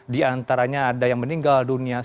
di antaranya ada yang meninggal dunia